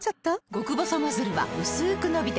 極細ノズルはうすく伸びて